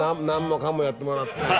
何もかもやってもらって。